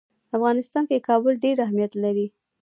په افغانستان کې کابل ډېر اهمیت لري.